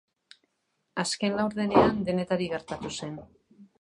Azken laurdenean denetarik gertatu zen.